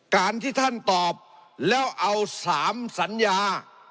การที่ท่านตอบแล้วเอา๓สัญญา